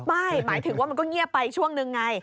หมายถึงว่ามันก็เงียบไปช่วงนึงไง